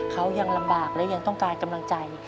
เขายังลำบากและยังต้องการกำลังใจ